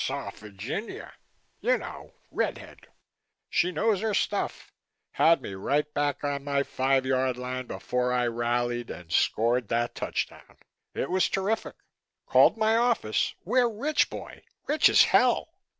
Saw Virginia. You know, red head. She knows her stuff. Had me right back on my five yard line before I rallied and scored that touchdown. It was terrific. Called my office. We're rich, boy, rich as hell."